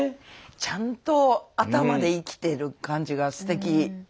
ちゃんと頭で生きてる感じがすてき。